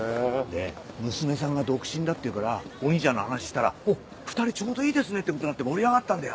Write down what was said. で娘さんが独身だっていうからお兄ちゃんの話したら２人ちょうどいいですね！ってことになって盛り上がったんだよ。